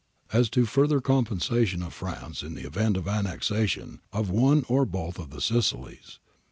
As to further compensation to France in the event of annexation of one or both of the Sicilies